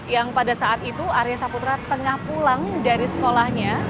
yang pada saat itu arya saputra tengah pulang dari sekolahnya